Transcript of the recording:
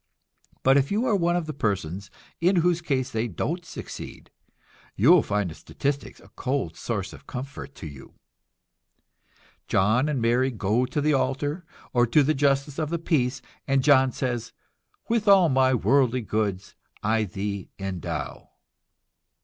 But if you are one of those persons in whose case they don't succeed, you will find the statistics a cold source of comfort to you. John and Mary go to the altar, or to the justice of the peace, and John says: "With all my worldly goods I thee endow."